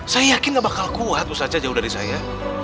saya yakin gak bakal kuat usahanya jauh dari saya